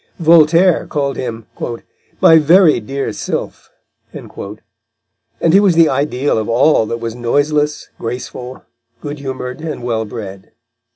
Voltaire called him "my very dear Sylph," and he was the ideal of all that was noiseless, graceful, good humoured, and well bred.